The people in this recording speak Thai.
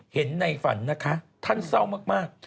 เห็นในฝันนะคะท่านเศร้ามาก